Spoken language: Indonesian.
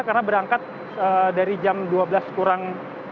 karena berangkat dari jam dua belas kurang